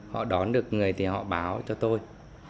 họ đón được người thì họ báo cho tôi